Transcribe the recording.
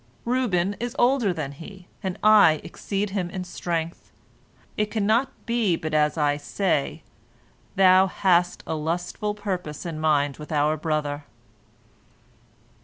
Reuben is older than he, and I exceed him in strength. It cannot but be as I say, thou hast a lustful purpose in mind with our brother.